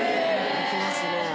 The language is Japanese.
いきますね